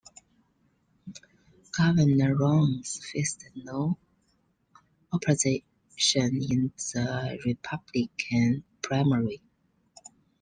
Governor Rounds faced no opposition in the Republican primary.